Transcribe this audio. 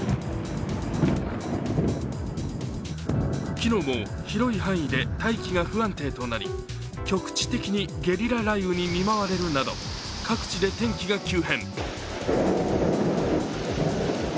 昨日も広い範囲で大気が不安定となり局地的にゲリラ雷雨に見舞われるなど各地で天気が急変。